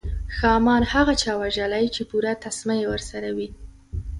ښامار هغه چا وژلی چې پوره تسمه یې ورسره وي.